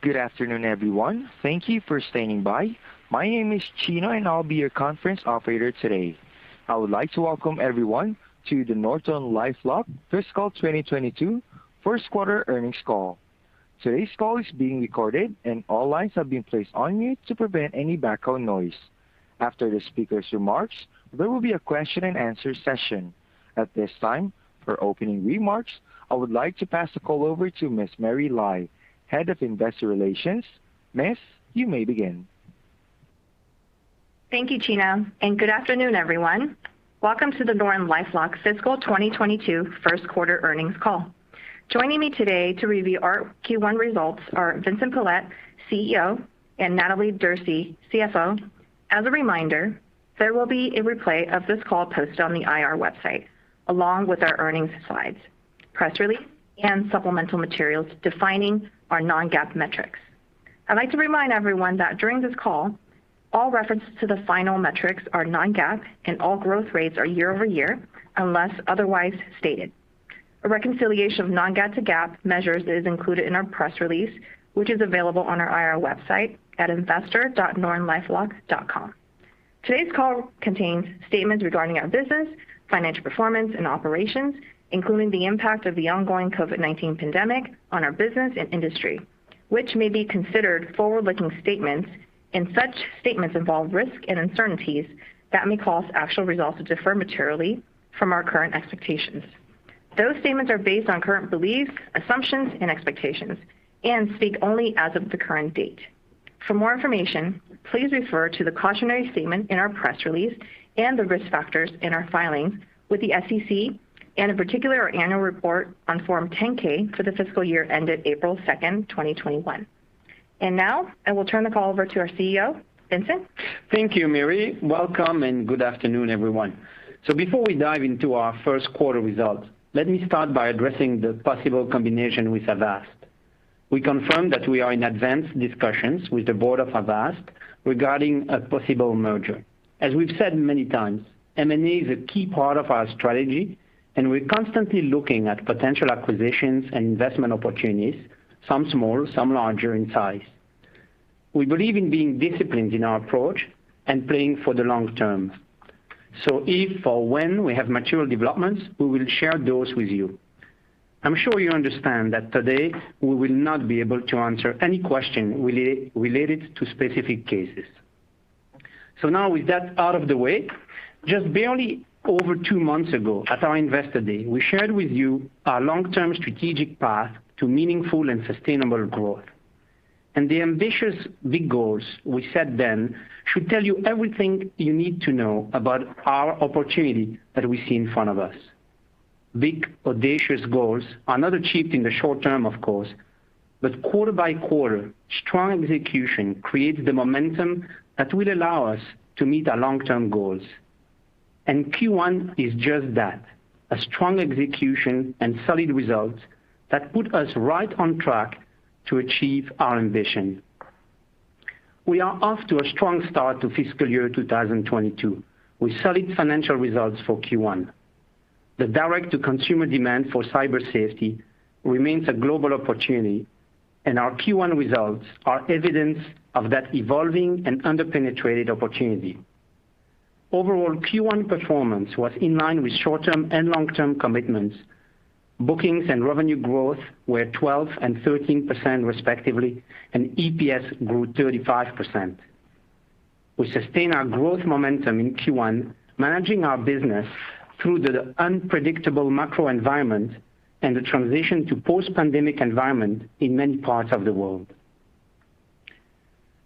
Good afternoon, everyone. Thank you for standing by. My name is Chino, and I'll be your conference operator today. I would like to welcome everyone to the NortonLifeLock Fiscal 2022 First Quarter Earnings Call. Today's call is being recorded, and all lines have been placed on mute to prevent any background noise. After the speaker's remarks, there will be a question and answer session. At this time, for opening remarks, I would like to pass the call over to Ms. Mary Lai, Head of Investor Relations. Ms., you may begin. Thank you, Chino. Good afternoon, everyone. Welcome to the NortonLifeLock Fiscal 2022 First Quarter Earnings Call. Joining me today to review our Q1 results are Vincent Pilette, CEO, and Natalie Derse, CFO. As a reminder, there will be a replay of this call posted on the IR website, along with our earnings slides, press release, and supplemental materials defining our non-GAAP metrics. I'd like to remind everyone that during this call, all references to the financial metrics are non-GAAP, and all growth rates are year-over-year, unless otherwise stated. A reconciliation of non-GAAP to GAAP measures is included in our press release, which is available on our IR website at investor.nortonlifelock.com. Today's call contains statements regarding our business, financial performance, and operations, including the impact of the ongoing COVID-19 pandemic on our business and industry, which may be considered forward-looking statements, and such statements involve risks and uncertainties that may cause actual results to differ materially from our current expectations. Those statements are based on current beliefs, assumptions, and expectations, and speak only as of the current date. For more information, please refer to the cautionary statement in our press release and the risk factors in our filing with the SEC, and in particular, our annual report on Form 10-K for the fiscal year ended April second, 2021. Now, I will turn the call over to our CEO, Vincent. Thank you, Mary. Welcome, and good afternoon, everyone. Before we dive into our first quarter results, let me start by addressing the possible combination with Avast. We confirm that we are in advanced discussions with the board of Avast regarding a possible merger. As we've said many times, M&A is a key part of our strategy, and we're constantly looking at potential acquisitions and investment opportunities, some small, some larger in size. We believe in being disciplined in our approach and playing for the long term. If or when we have material developments, we will share those with you. I'm sure you understand that today we will not be able to answer any question related to specific cases. Now with that out of the way, just barely over two months ago at our Investor Day, we shared with you our long-term strategic path to meaningful and sustainable growth. The ambitious, big goals we set then should tell you everything you need to know about our opportunity that we see in front of us. Big, audacious goals are not achieved in the short term, of course, but quarter by quarter, strong execution creates the momentum that will allow us to meet our long-term goals. Q1 is just that, a strong execution and solid results that put us right on track to achieve our ambition. We are off to a strong start to fiscal year 2022 with solid financial results for Q1. The direct-to-consumer demand for cyber safety remains a global opportunity, and our Q1 results are evidence of that evolving and under-penetrated opportunity. Overall, Q1 performance was in line with short-term and long-term commitments. Bookings and revenue growth were 12% and 13% respectively, and EPS grew 35%. We sustained our growth momentum in Q1, managing our business through the unpredictable macro environment and the transition to post-pandemic environment in many parts of the world.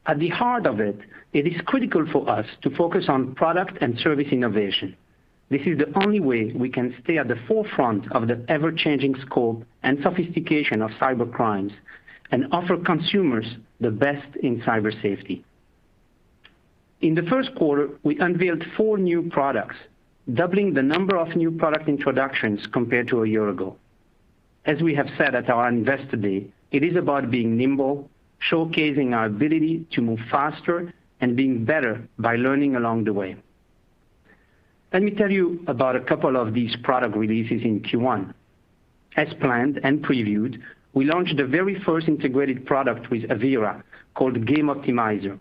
At the heart of it is critical for us to focus on product and service innovation. This is the only way we can stay at the forefront of the ever-changing scope and sophistication of cyber crimes and offer consumers the best in cyber safety. In the first quarter, we unveiled four new products, doubling the number of new product introductions compared to a year ago. As we have said at our Investor Day, it is about being nimble, showcasing our ability to move faster, and being better by learning along the way. Let me tell you about a couple of these product releases in Q1. As planned and previewed, we launched the very first integrated product with Avira called Game Optimizer.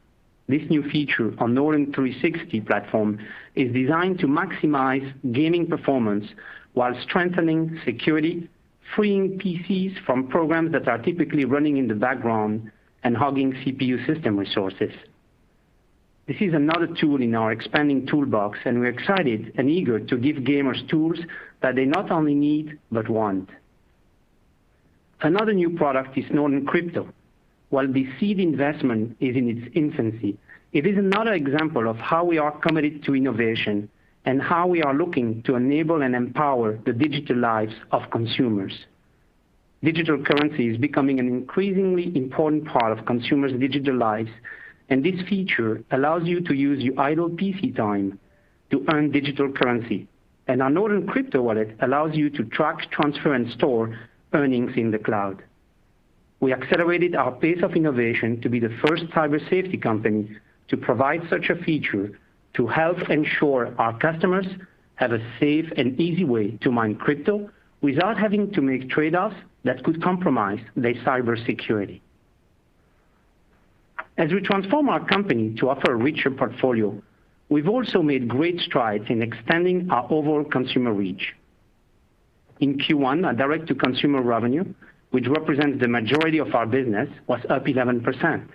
This new feature on Norton 360 platform is designed to maximize gaming performance while strengthening security, freeing PCs from programs that are typically running in the background and hogging CPU system resources. This is another tool in our expanding toolbox. We're excited and eager to give gamers tools that they not only need but want. Another new product is Norton Crypto. While this seed investment is in its infancy, it is another example of how we are committed to innovation and how we are looking to enable and empower the digital lives of consumers. Digital currency is becoming an increasingly important part of consumers' digital lives. This feature allows you to use your idle PC time to earn digital currency. Our Norton Crypto wallet allows you to track, transfer, and store earnings in the cloud. We accelerated our pace of innovation to be the first cyber safety company to provide such a feature. To help ensure our customers have a safe and easy way to mine crypto without having to make trade-offs that could compromise their cybersecurity. As we transform our company to offer a richer portfolio, we've also made great strides in expanding our overall consumer reach. In Q1, our direct-to-consumer revenue, which represents the majority of our business, was up 11%.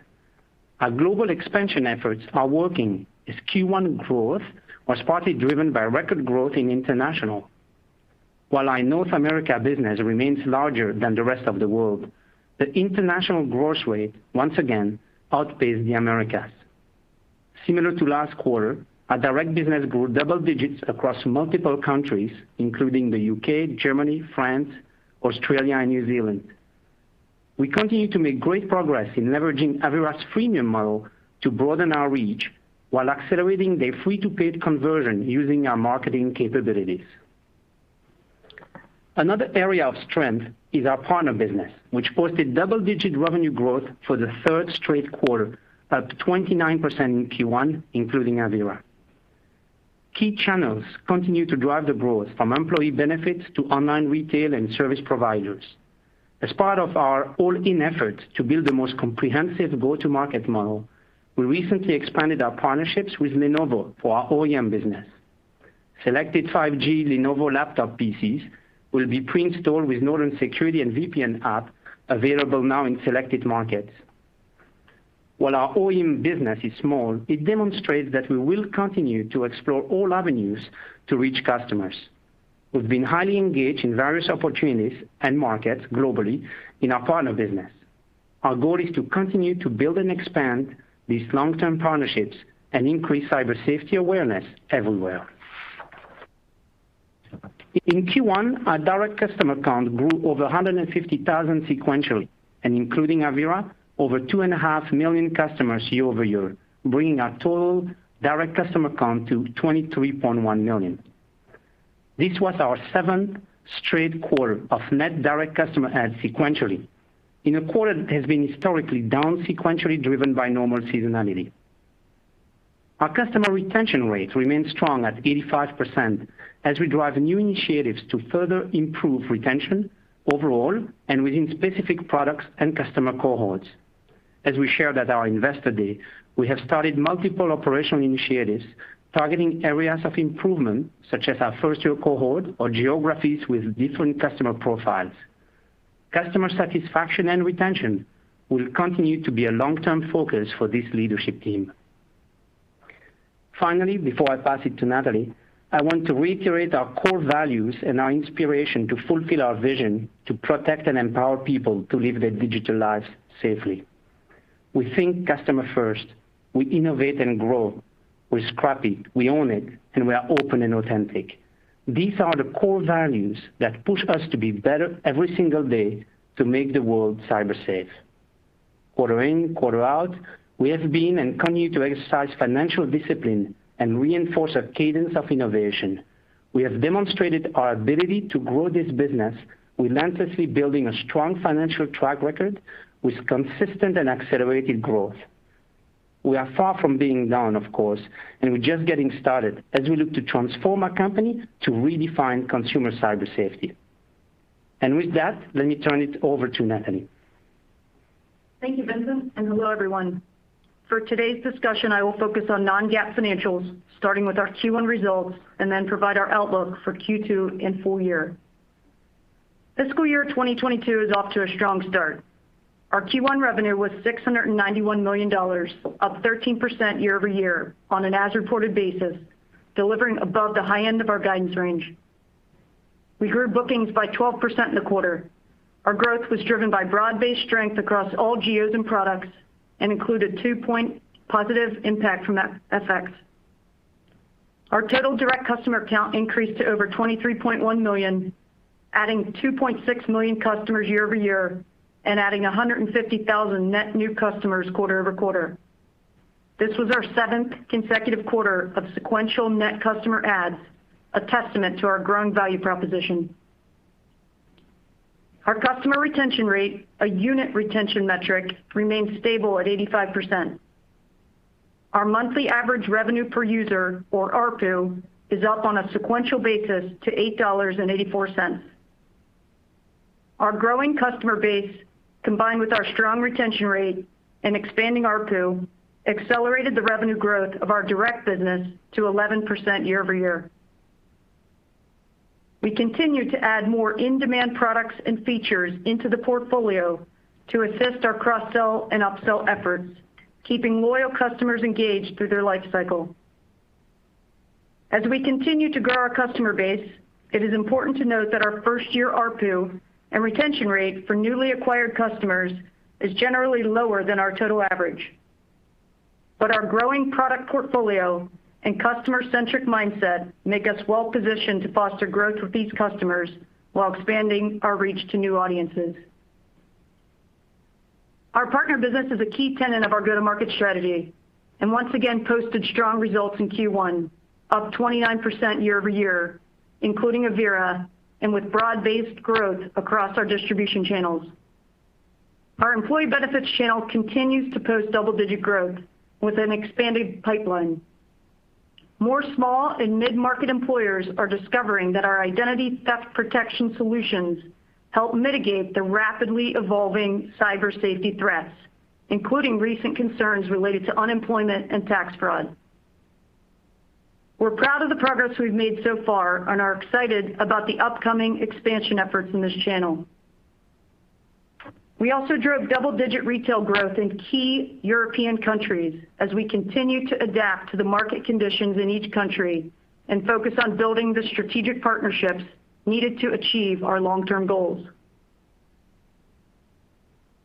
Our global expansion efforts are working, as Q1 growth was partly driven by record growth in international. While our North America business remains larger than the rest of the world, the international growth rate once again outpaced the Americas. Similar to last quarter, our direct business grew double digits across multiple countries, including the U.K., Germany, France, Australia, and New Zealand. We continue to make great progress in leveraging Avira's freemium model to broaden our reach while accelerating their free to paid conversion using our marketing capabilities. Another area of strength is our partner business, which posted double-digit revenue growth for the third straight quarter, up 29% in Q1, including Avira. Key channels continue to drive the growth, from employee benefits to online retail and service providers. As part of our all-in effort to build the most comprehensive go-to-market model, we recently expanded our partnerships with Lenovo for our OEM business. Selected 5G Lenovo laptop PCs will be pre-installed with Norton security and VPN app, available now in selected markets. While our OEM business is small, it demonstrates that we will continue to explore all avenues to reach customers. We've been highly engaged in various opportunities and markets globally in our partner business. Our goal is to continue to build and expand these long-term partnerships and increase cyber safety awareness everywhere. In Q1, our direct customer count grew over 150,000 sequentially, and including Avira, over two point five million customers year-over-year, bringing our total direct customer count to 23.1 million. This was our seventh straight quarter of net direct customer adds sequentially in a quarter that has been historically down sequentially, driven by normal seasonality. Our customer retention rates remain strong at 85% as we drive new initiatives to further improve retention overall and within specific products and customer cohorts. As we shared at our Investor Day, we have started multiple operational initiatives targeting areas of improvement such as our first-year cohort or geographies with different customer profiles. Customer satisfaction and retention will continue to be a long-term focus for this leadership team. Finally, before I pass it to Natalie, I want to reiterate our core values and our inspiration to fulfill our vision to protect and empower people to live their digital lives safely. We think customer first. We innovate and grow. We're scrappy. We own it, and we are open and authentic. These are the core values that push us to be better every single day to make the world cyber safe. Quarter in, quarter out, we have been and continue to exercise financial discipline and reinforce a cadence of innovation. We have demonstrated our ability to grow this business relentlessly building a strong financial track record with consistent and accelerated growth. We are far from being done, of course, and we're just getting started as we look to transform our company to redefine consumer cyber safety. With that, let me turn it over to Natalie. Thank you, Vincent, and hello, everyone. For today's discussion, I will focus on non-GAAP financials, starting with our Q1 results, and then provide our outlook for Q2 and full year. Fiscal year 2022 is off to a strong start. Our Q1 revenue was $691 million, up 13% year-over-year on an as-reported basis, delivering above the high end of our guidance range. We grew bookings by 12% in the quarter. Our growth was driven by broad-based strength across all geos and products and included two-point positive impact from FX. Our total direct customer count increased to over 23.1 million, adding two point six million customers year-over-year and adding 150,000 net new customers quarter-over-quarter. This was our seventh consecutive quarter of sequential net customer adds, a testament to our growing value proposition. Our customer retention rate, a unit retention metric, remains stable at 85%. Our monthly average revenue per user, or ARPU, is up on a sequential basis to $8.84. Our growing customer base, combined with our strong retention rate and expanding ARPU, accelerated the revenue growth of our direct business to 11% year-over-year. We continue to add more in-demand products and features into the portfolio to assist our cross-sell and up-sell efforts, keeping loyal customers engaged through their life cycle. As we continue to grow our customer base, it is important to note that our first-year ARPU and retention rate for newly acquired customers is generally lower than our total average. Our growing product portfolio and customer-centric mindset make us well positioned to foster growth with these customers while expanding our reach to new audiences. Our partner business is a key tenet of our go-to-market strategy, and once again posted strong results in Q1, up 29% year-over-year, including Avira, and with broad-based growth across our distribution channels. Our employee benefits channel continues to post double-digit growth with an expanded pipeline. More small and mid-market employers are discovering that our identity theft protection solutions help mitigate the rapidly evolving Cyber Safety threats, including recent concerns related to unemployment and tax fraud. We're proud of the progress we've made so far and are excited about the upcoming expansion efforts in this channel. We also drove double-digit retail growth in key European countries as we continue to adapt to the market conditions in each country and focus on building the strategic partnerships needed to achieve our long-term goals.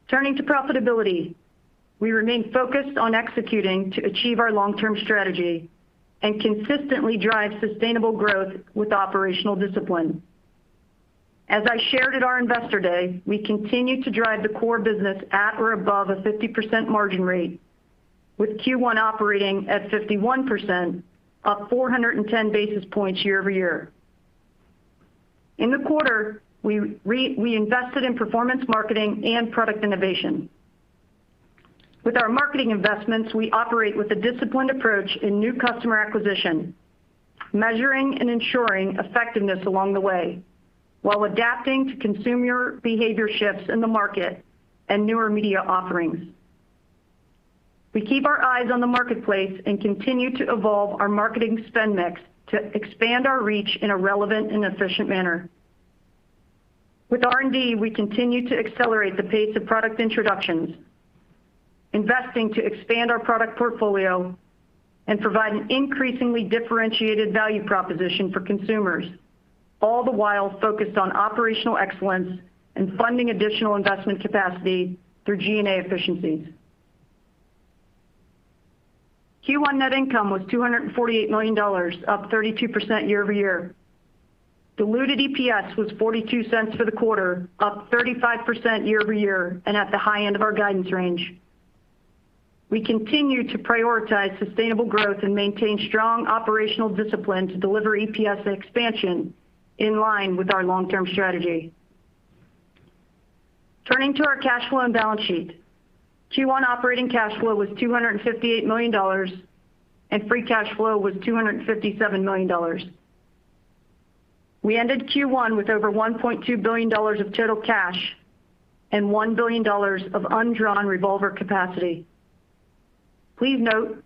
Turning to profitability. We remain focused on executing to achieve our long-term strategy and consistently drive sustainable growth with operational discipline. As I shared at our Investor Day, we continue to drive the core business at or above a 50% margin rate, with Q1 operating at 51%, up 410 basis points year-over-year. In the quarter, we invested in performance marketing and product innovation. With our marketing investments, we operate with a disciplined approach in new customer acquisition, measuring and ensuring effectiveness along the way, while adapting to consumer behavior shifts in the market and newer media offerings. We keep our eyes on the marketplace and continue to evolve our marketing spend mix to expand our reach in a relevant and efficient manner. With R&D, we continue to accelerate the pace of product introductions, investing to expand our product portfolio, and provide an increasingly differentiated value proposition for consumers, all the while focused on operational excellence and funding additional investment capacity through G&A efficiencies. Q1 net income was $248 million, up 32% year-over-year. Diluted EPS was $0.42 for the quarter, up 35% year-over-year and at the high end of our guidance range. We continue to prioritize sustainable growth and maintain strong operational discipline to deliver EPS expansion in line with our long-term strategy. Turning to our cash flow and balance sheet. Q1 operating cash flow was $258 million, and free cash flow was $257 million. We ended Q1 with over $1.2 billion of total cash and $1 billion of undrawn revolver capacity. Please note,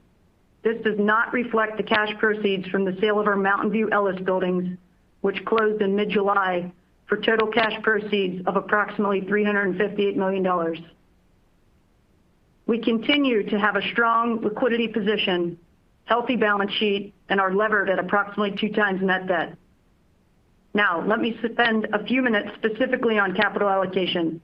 this does not reflect the cash proceeds from the sale of our Mountain View Ellis buildings, which closed in mid-July for total cash proceeds of approximately $358 million. We continue to have a strong liquidity position, healthy balance sheet, and are levered at approximately two times net debt. Let me spend a few minutes specifically on capital allocation.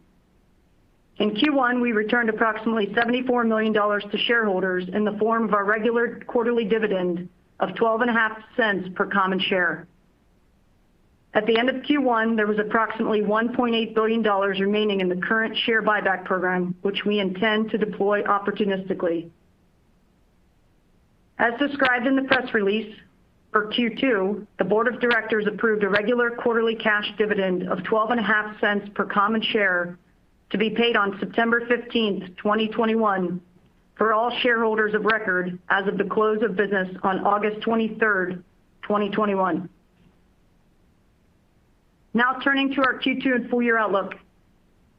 In Q1, we returned approximately $74 million to shareholders in the form of our regular quarterly dividend of $0.125 per common share. At the end of Q1, there was approximately $1.8 billion remaining in the current share buyback program, which we intend to deploy opportunistically. As described in the press release for Q2, the board of directors approved a regular quarterly cash dividend of $0.125 per common share to be paid on September 15th, 2021, for all shareholders of record as of the close of business on August 23rd, 2021. Turning to our Q2 and full year outlook.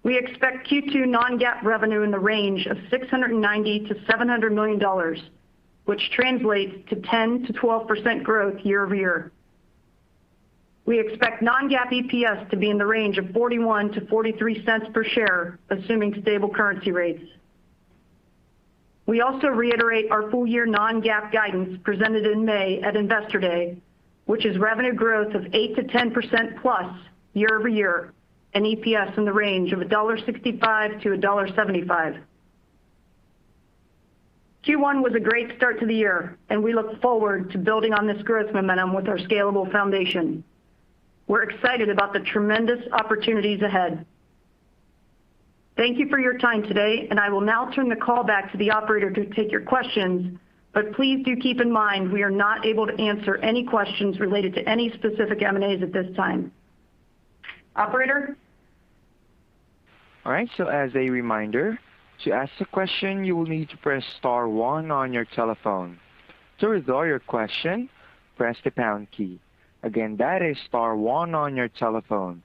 We expect Q2 non-GAAP revenue in the range of $690 million-$700 million, which translates to 10%-12% growth year-over-year. We expect non-GAAP EPS to be in the range of $0.41-$0.43 per share, assuming stable currency rates. We also reiterate our full year non-GAAP guidance presented in May at Investor Day, which is revenue growth of eight to 10%+ year-over-year, and EPS in the range of $1.65-$1.75. Q1 was a great start to the year, and we look forward to building on this growth momentum with our scalable foundation. We're excited about the tremendous opportunities ahead. Thank you for your time today, and I will now turn the call back to the operator to take your questions, but please do keep in mind we are not able to answer any questions related to any specific M&As at this time. Operator? All right. As a reminder, to ask a question, you will need to press star one on your telephone. To withdraw your question, press the pound key. That is star one on your telephone.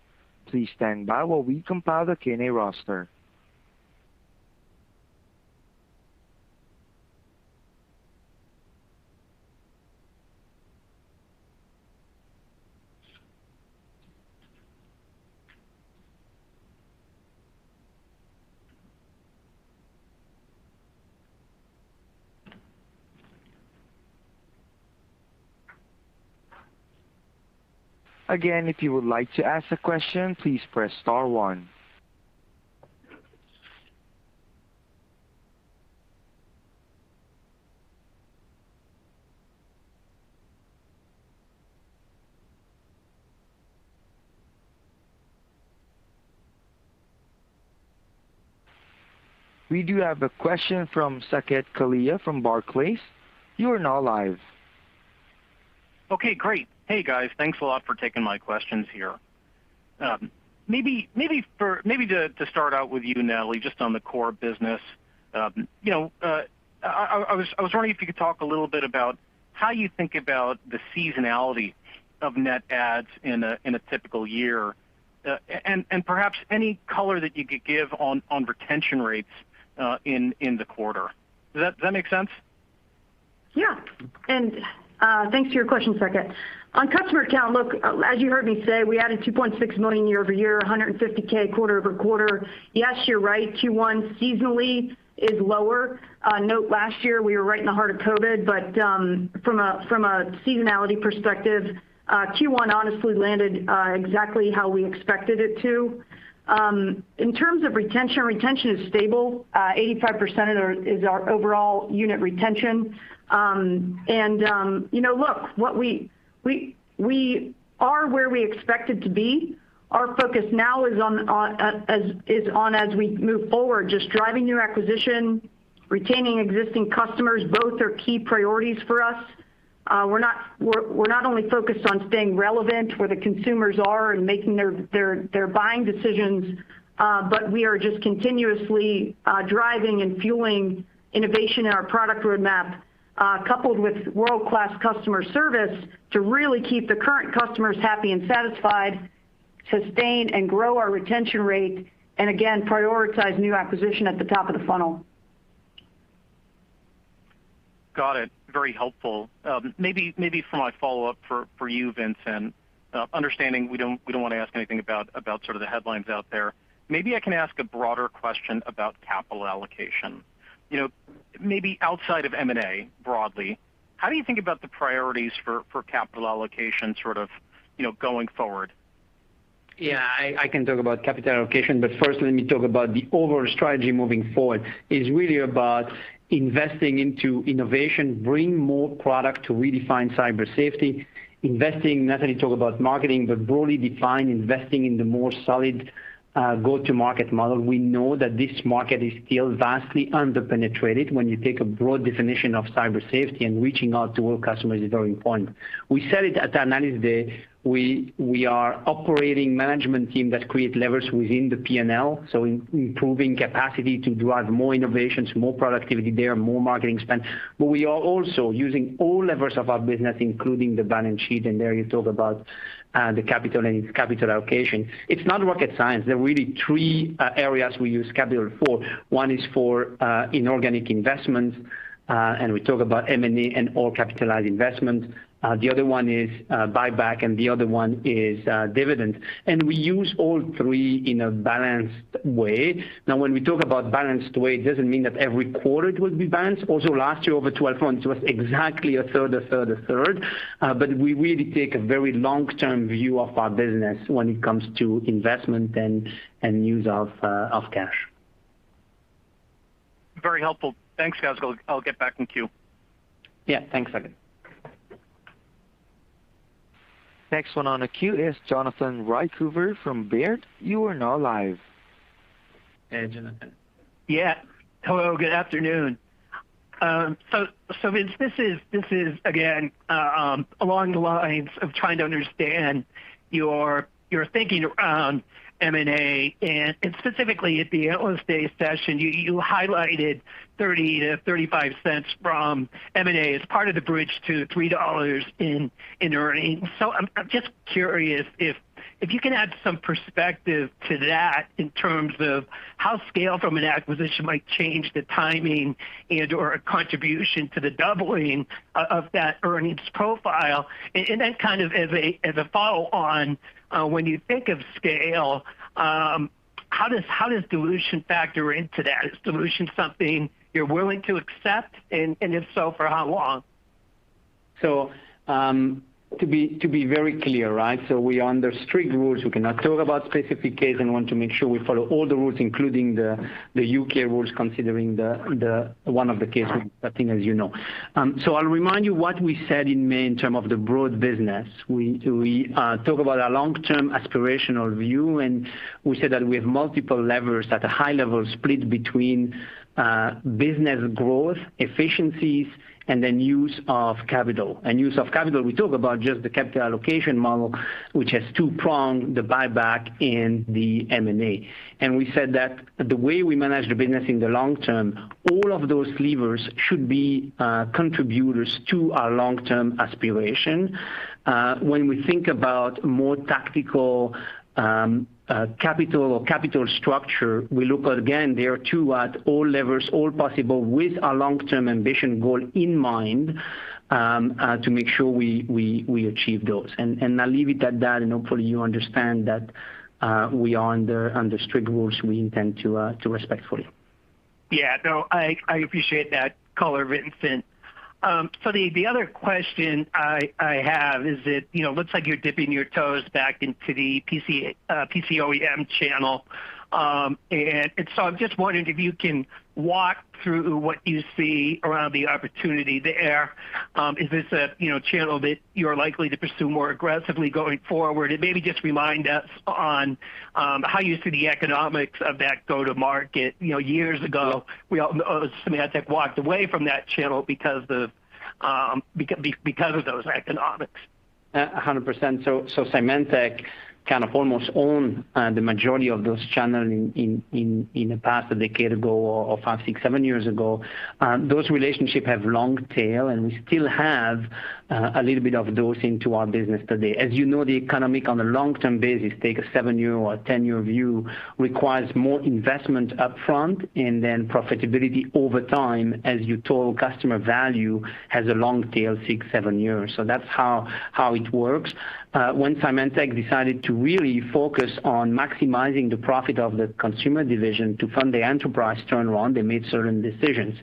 Please stand by while we compile the Q&A roster. If you would like to ask a question, please press star one. We do have a question from Saket Kalia from Barclays. You are now live Okay, great. Hey, guys. Thanks a lot for taking my questions here. Maybe to start out with you, Natalie, just on the core business. I was wondering if you could talk a little bit about how you think about the seasonality of net adds in a typical year, and perhaps any color that you could give on retention rates in the quarter. Does that make sense? Yeah. Thanks for your question, Saket Kalia. On customer count, look, as you heard me say, we added two point six million year-over-year, 150K quarter-over-quarter. Yes, you're right, Q1 seasonally is lower. Note last year, we were right in the heart of COVID-19, but from a seasonality perspective, Q1 honestly landed exactly how we expected it to. In terms of retention is stable. 85% is our overall unit retention. Look, we are where we expected to be. Our focus now is on, as we move forward, just driving new acquisition, retaining existing customers. Both are key priorities for us. We're not only focused on staying relevant where the consumers are and making their buying decisions, but we are just continuously driving and fueling innovation in our product roadmap, coupled with world-class customer service to really keep the current customers happy and satisfied, sustain and grow our retention rate, and again, prioritize new acquisition at the top of the funnel. Got it. Very helpful. Maybe for my follow-up for you, Vincent, understanding we don't want to ask anything about the headlines out there. Maybe I can ask a broader question about capital allocation. Maybe outside of M&A, broadly, how do you think about the priorities for capital allocation going forward? I can talk about capital allocation, but first let me talk about the overall strategy moving forward is really about investing into innovation, bring more product to redefine cyber safety, investing, Natalie talked about marketing, but broadly defined, investing in the more solid go-to-market model. We know that this market is still vastly under-penetrated when you take a broad definition of cyber safety, and reaching out to all customers is very important. We said it at the Investor Day, we are operating management team that create levers within the P&L, so improving capacity to drive more innovations, more productivity there, more marketing spend. We are also using all levers of our business, including the balance sheet, and there you talk about the capital and its capital allocation. It's not rocket science. There are really three areas we use capital for. One is for inorganic investments, and we talk about M&A and all capitalized investment. The other one is buyback, and the other one is dividends. We use all three in a balanced way. Now, when we talk about balanced way, it doesn't mean that every quarter it will be balanced. Also last year, over 12 months, it was exactly a third, a third, a third. We really take a very long-term view of our business when it comes to investment and use of cash. Very helpful. Thanks, guys. I'll get back in queue. Yeah. Thanks, Saket. Next one on the queue is Jonathan Ruykhaver from Baird. Hey, Jonathan. Yeah. Hello, good afternoon. Vince, this is again, along the lines of trying to understand your thinking around M&A, and specifically at the Investor Day, you highlighted $0.30-$0.35 from M&A as part of the bridge to $3 in earnings. I'm just curious if you can add some perspective to that in terms of how scale from an acquisition might change the timing and/or a contribution to the doubling of that earnings profile. Kind of as a follow-on, when you think of scale, how does dilution factor into that? Is dilution something you're willing to accept, and if so, for how long? To be very clear, right? We are under strict rules. We cannot talk about specific case and want to make sure we follow all the rules, including the U.K. rules, considering one of the cases, I think as you know. I'll remind you what we said in May in term of the broad business. We talk about our long-term aspirational view, and we said that we have multiple levers at a high level split between business growth, efficiencies, and then use of capital. Use of capital, we talk about just the capital allocation model, which has two prong, the buyback and the M&A. We said that the way we manage the business in the long term, all of those levers should be contributors to our long-term aspiration. When we think about more tactical capital structure, we look at, again, there are two at all levers, all possible with our long-term ambition goal in mind, to make sure we achieve those. I'll leave it at that, and hopefully you understand that we are under strict rules we intend to respect fully. Yeah. No, I appreciate that color, Vincent. The other question I have is that it looks like you're dipping your toes back into the PC OEM channel. I'm just wondering if you can walk through what you see around the opportunity there. Is this a channel that you're likely to pursue more aggressively going forward? Maybe just remind us on how you see the economics of that go-to-market. Years ago, Symantec walked away from that channel because of those economics. 100%. Symantec kind of almost owned the majority of those channels in the past decade ago, or five, six, seven years ago. Those relationships have long tail, and we still have a little bit of those into our business today. As you know, the economic on a long-term basis, take a seven-year or a 10-year view, requires more investment upfront and then profitability over time, as you total customer value has a long tail, six, seven years. That's how it works. When Symantec decided to really focus on maximizing the profit of the consumer division to fund the enterprise turnaround, they made certain decisions.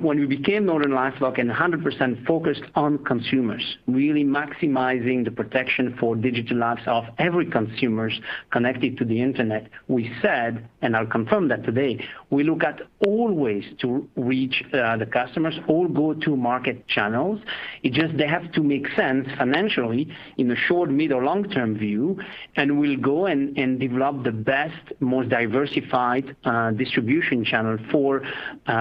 When we became NortonLifeLock and 100% focused on consumers, really maximizing the protection for digital lives of every consumers connected to the internet, we said, and I'll confirm that today, we look at all ways to reach the customers, all go-to-market channels. It's just they have to make sense financially in the short, mid, or long-term view, and we'll go and develop the best, most diversified distribution channel for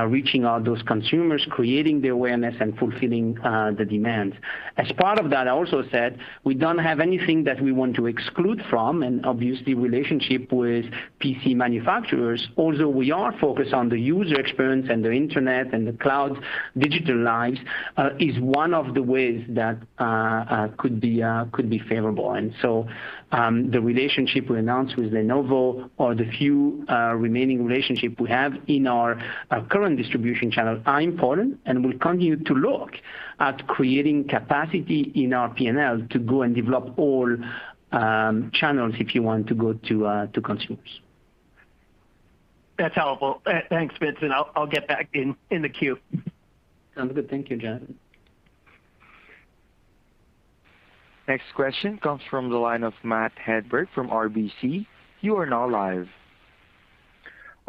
reaching out those consumers, creating the awareness, and fulfilling the demand. As part of that, I also said, we don't have anything that we want to exclude from, and obviously relationship with PC manufacturers, although we are focused on the user experience and the internet and the cloud, digital lives is one of the ways that could be favorable. The relationship we announced with Lenovo or the few remaining relationships we have in our current distribution channel are important, and we'll continue to look at creating capacity in our P&L to go and develop all channels, if you want, to go to consumers. That's helpful. Thanks, Vincent. I'll get back in the queue. Sounds good. Thank you, John. Next question comes from the line of Matt Hedberg from RBC. You are now live.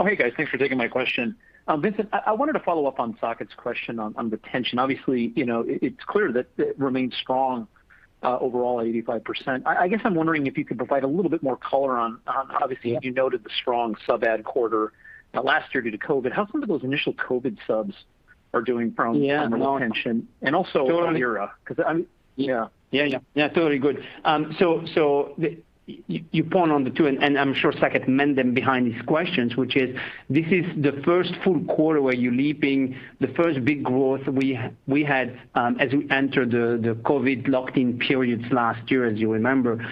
Oh, hey guys, thanks for taking my question. Vincent, I wanted to follow up on Saket's question on retention. Obviously, it's clear that it remains strong overall at 85%. I guess I'm wondering if you could provide a little bit more color on, obviously, as you noted, the strong sub-add quarter last year due to COVID. How come those initial COVID subs are doing from. Yeah, no. a retention, and also Avira? Totally. I'm Yeah. Yeah. Totally good. You point on the two, and I'm sure Saket meant them behind these questions, which is this is the first full quarter where you're leaping the first big growth we had as we entered the COVID-19 locked-in periods last year, as you remember,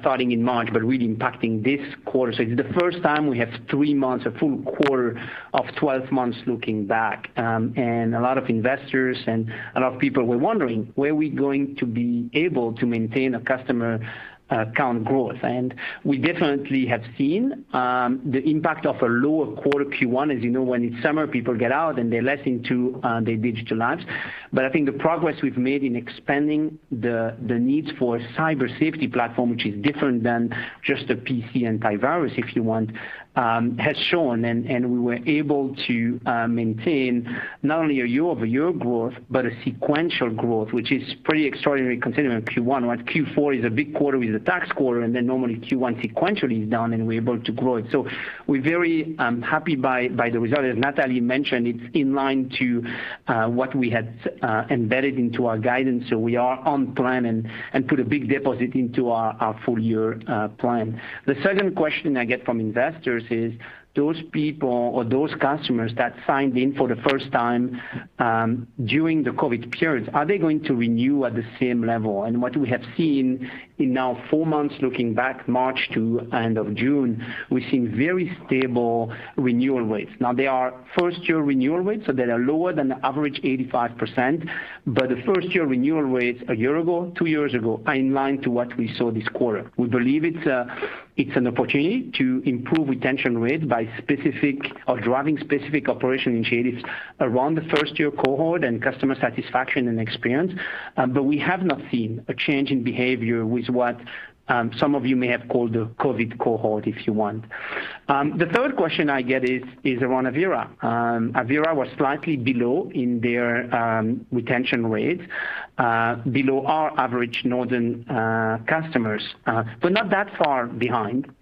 starting in March, but really impacting this quarter. It is the first time we have three months, a full quarter of 12 months looking back. A lot of investors and a lot of people were wondering, were we going to be able to maintain a customer count growth? We definitely have seen the impact of a lower quarter Q1. As you know, when it's summer, people get out, and they're less into their digital lives. I think the progress we've made in expanding the needs for a cyber safety platform, which is different than just a PC antivirus, if you want, has shown, and we were able to maintain not only a year-over-year growth, but a sequential growth, which is pretty extraordinary considering Q1, right? Q4 is a big quarter, it is a tax quarter, and then normally Q1 sequentially is down and we're able to grow it. We're very happy by the result. As Natalie mentioned, it's in line to what we had embedded into our guidance. We are on plan and put a big deposit into our full-year plan. The second question I get from investors is, those people or those customers that signed in for the first time during the COVID period, are they going to renew at the same level? What we have seen in now four months looking back, March to end of June, we've seen very stable renewal rates. They are first-year renewal rates, so they are lower than the average 85%, but the first-year renewal rates one year ago, two years ago, are in line to what we saw this quarter. We believe it's an opportunity to improve retention rates by specific or driving specific operation initiatives around the first-year cohort and customer satisfaction and experience, but we have not seen a change in behavior with what some of you may have called the COVID cohort, if you want. The third question I get is around Avira. Avira was slightly below in their retention rates, below our average Norton customers. Not that far behind.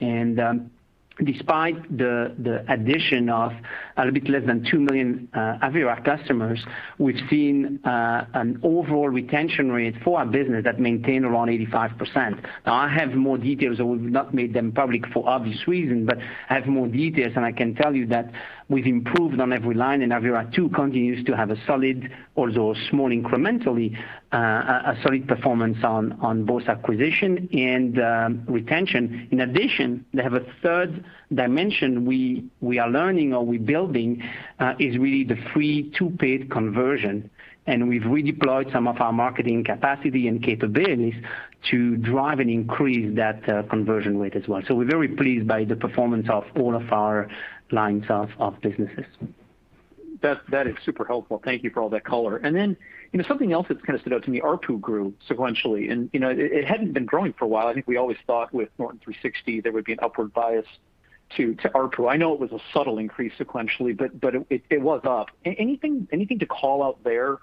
Despite the addition of a little bit less than two million Avira customers, we've seen an overall retention rate for our business that maintained around 85%. I have more details that we've not made them public for obvious reason, but I have more details, and I can tell you that we've improved on every line, and Avira too continues to have a solid, although small incrementally, a solid performance on both acquisition and retention. They have a third dimension we are learning or we're building, is really the free-to-paid conversion, and we've redeployed some of our marketing capacity and capabilities to drive and increase that conversion rate as well. We're very pleased by the performance of all of our lines of businesses. That is super helpful. Thank you for all that color. Something else that's kind of stood out to me, ARPU grew sequentially, and it hadn't been growing for a while. I think we always thought with Norton 360, there would be an upward bias to ARPU. I know it was a subtle increase sequentially, but it was up. Anything to call out there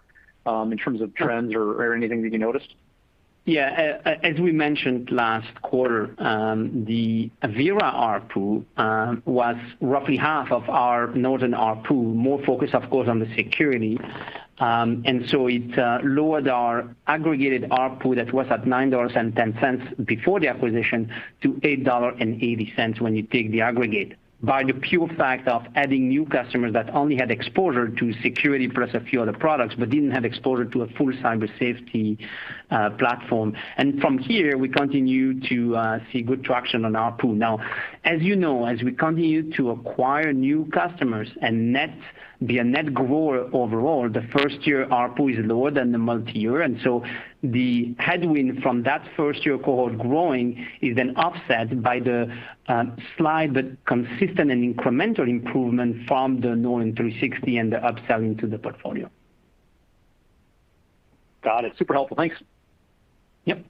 in terms of trends or anything that you noticed? As we mentioned last quarter, the Avira ARPU was roughly half of our Norton ARPU, more focused, of course, on the security. It lowered our aggregated ARPU that was at $9.10 before the acquisition to $8.80 when you take the aggregate by the pure fact of adding new customers that only had exposure to security plus a few other products, but didn't have exposure to a full cyber safety platform. From here, we continue to see good traction on ARPU. Now, as you know, as we continue to acquire new customers and be a net grower overall, the first-year ARPU is lower than the multi-year. The headwind from that first-year cohort growing is then offset by the slide, but consistent and incremental improvement from the Norton 360 and the upselling to the portfolio. Got it. Super helpful. Thanks. Yep.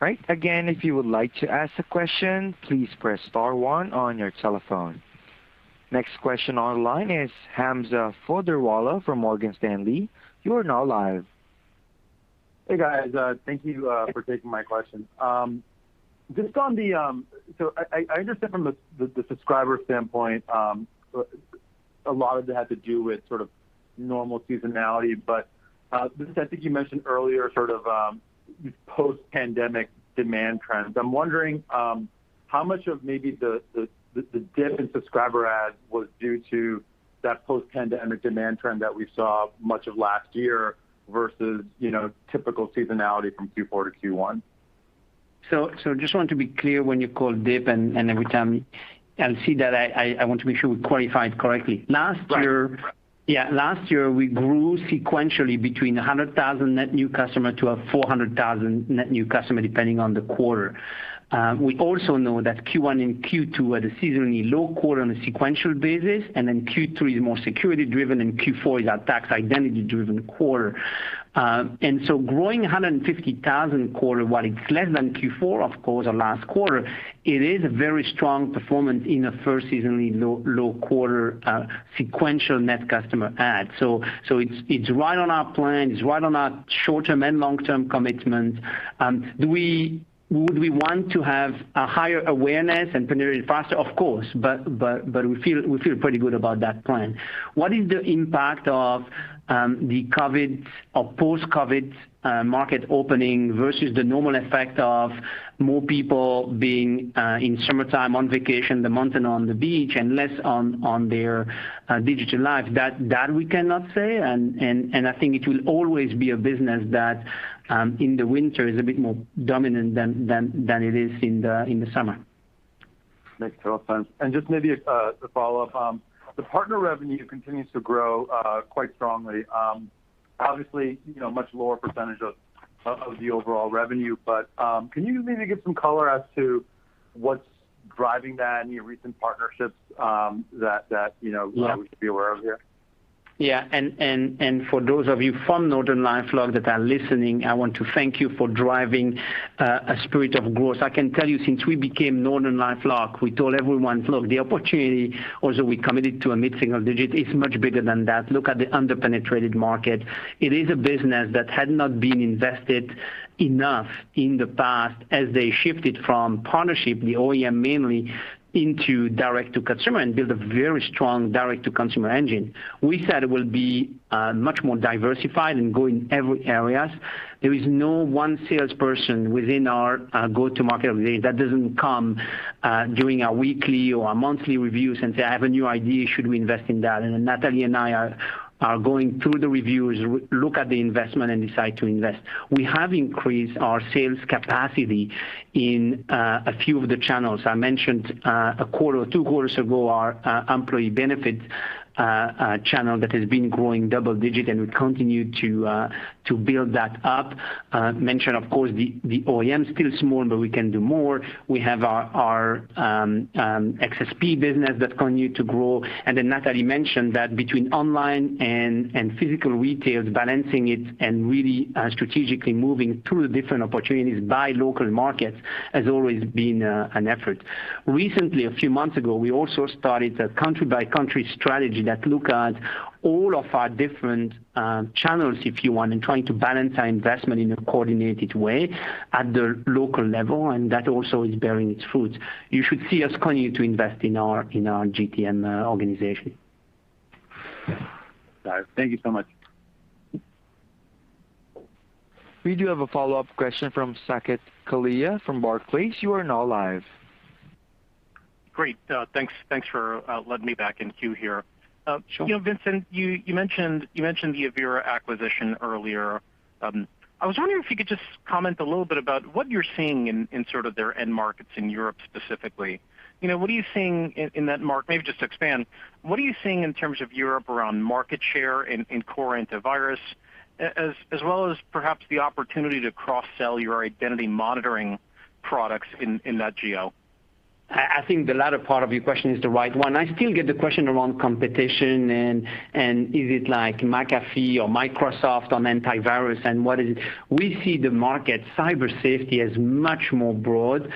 Right. Again, if you would like to ask a question, please press star one on your telephone. Next question online is Hamza Fodderwala from Morgan Stanley. You are now live. Hey, guys. Thank you for taking my question. I understand from the subscriber standpoint, a lot of that had to do with sort of normal seasonality. Vincent, I think you mentioned earlier sort of post-pandemic demand trends. I'm wondering how much of maybe the dip in subscriber add was due to that post-pandemic demand trend that we saw much of last year versus typical seasonality from Q4 to Q1? Just want to be clear when you call dip and every time I see that, I want to make sure we qualify it correctly. Yeah. Last year, we grew sequentially between 100,000 net new customer to a 400,000 net new customer, depending on the quarter. We also know that Q1 and Q2 are the seasonally low quarter on a sequential basis, and then Q3 is more security driven, and Q4 is our tax identity driven quarter. Growing 150,000 quarter, while it's less than Q4, of course, or last quarter, it is a very strong performance in a first seasonally low quarter sequential net customer add. It's right on our plan. It's right on our short-term and long-term commitment. Would we want to have a higher awareness and penetrate faster? Of course, but we feel pretty good about that plan. What is the impact of post-COVID market opening versus the normal effect of more people being in summertime on vacation, the mountain on the beach, and less on their digital life? That we cannot say. I think it will always be a business that in the winter is a bit more dominant than it is in the summer. Makes total sense. Just maybe to follow up, the partner revenue continues to grow quite strongly. Obviously, much lower percentage of the overall revenue, but can you maybe give some color as to what's driving that and your recent partnerships that we should be aware of here? Yeah. For those of you from NortonLifeLock that are listening, I want to thank you for driving a spirit of growth. I can tell you since we became NortonLifeLock, we told everyone, "Look, the opportunity, although we committed to a mid-single-digit, it's much bigger than that. Look at the under-penetrated market." It is a business that had not been invested enough in the past as they shifted from partnership, the OEM mainly, into direct-to-consumer and build a very strong direct-to-consumer engine. We said it will be much more diversified and go in every areas. There is no one salesperson within our go-to-market organization that doesn't come during our weekly or our monthly reviews and say, "I have a new idea. Should we invest in that?" Then Natalie and I are going through the reviews, look at the investment, and decide to invest. We have increased our sales capacity in a few of the channels. I mentioned a quarter or two quarters ago, our employee benefits channel that has been growing double-digit, we continue to build that up. I mentioned, of course, the OEM is still small, but we can do more. We have our xSP business that continue to grow. Natalie mentioned that between online and physical retail, balancing it and really strategically moving through the different opportunities by local markets has always been an effort. Recently, a few months ago, we also started a country-by-country strategy that look at all of our different channels, if you want, and trying to balance our investment in a coordinated way at the local level, that also is bearing its fruits. You should see us continue to invest in our GTM organization. Got it. Thank you so much. We do have a follow-up question from Saket Kalia from Barclays. Great. Thanks for letting me back in queue here. Sure. Vincent, you mentioned the Avira acquisition earlier. I was wondering if you could just comment a little bit about what you're seeing in sort of their end markets in Europe specifically. Maybe just expand, what are you seeing in terms of Europe around market share in core antivirus as well as perhaps the opportunity to cross-sell your identity monitoring products in that geo? I think the latter part of your question is the right one. I still get the question around competition and is it like McAfee or Microsoft on antivirus and what is it? We see the market cyber safety as much more broad.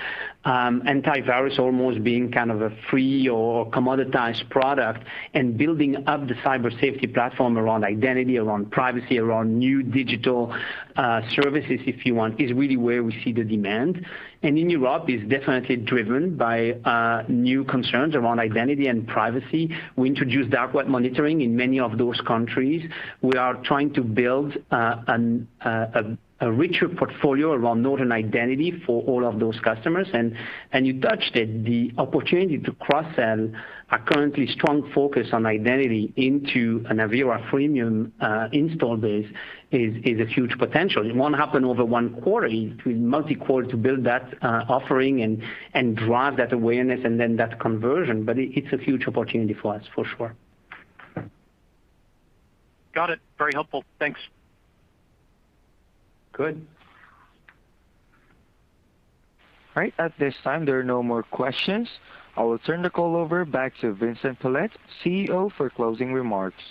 Antivirus almost being kind of a free or commoditized product and building up the cyber safety platform around identity, around privacy, around new digital services, if you want, is really where we see the demand. In Europe, it's definitely driven by new concerns around identity and privacy. We introduced Dark Web Monitoring in many of those countries. We are trying to build a richer portfolio around Norton Identity for all of those customers. You touched it, the opportunity to cross-sell our currently strong focus on identity into an Avira freemium install base is a huge potential. It won't happen over one quarter. It will be multi-quarter to build that offering and drive that awareness and then that conversion. It's a huge opportunity for us, for sure. Got it. Very helpful. Thanks. Good. All right. At this time, there are no more questions. I will turn the call over back to Vincent Pilette, CEO, for closing remarks.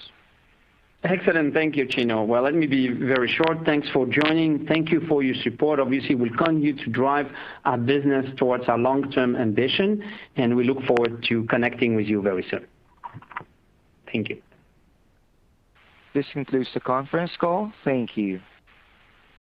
Excellent. Thank you, Chino. Well, let me be very short. Thanks for joining. Thank you for your support. Obviously, we'll continue to drive our business towards our long-term ambition, and we look forward to connecting with you very soon. Thank you. This concludes the conference call. Thank you.